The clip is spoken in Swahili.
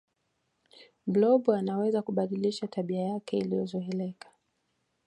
blob anaweza kubadilisha tabia yake iliyozoeleka